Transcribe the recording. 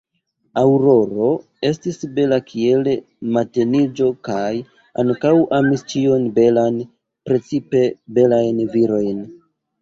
Aŭroro estis bela kiel mateniĝo kaj ankaŭ amis ĉion belan, precipe belajn virojn.